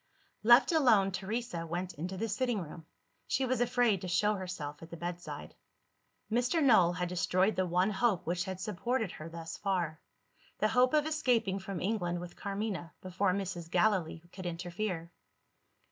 Left alone, Teresa went into the sitting room: she was afraid to show herself at the bedside. Mr. Null had destroyed the one hope which had supported her thus far the hope of escaping from England with Carmina, before Mrs. Gallilee could interfere.